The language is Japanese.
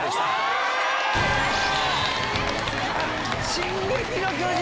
『進撃の巨人』！